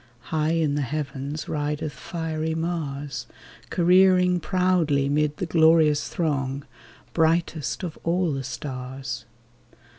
High in the heavens rideth fiery Mars, Careering proudly 'mid the glorious throng. Brightest of all the stars.